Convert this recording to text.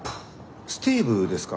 スティーブですか？